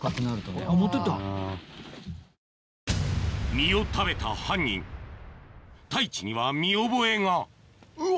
実を食べた犯人太一には見覚えがうわ！